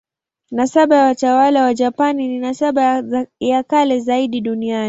Nasaba ya watawala wa Japani ni nasaba ya kale zaidi duniani.